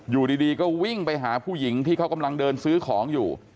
อยู่ดีก็วิ่งไปหาผู้หญิงที่เขากำลังเดินซื้อของอยู่